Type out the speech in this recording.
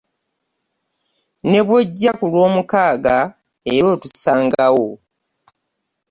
Ne bw'ojja ku lwomukaaga era otusangawo.